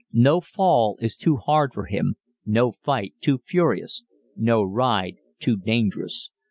No fall is too hard for him, no fight too furious, no ride too dangerous.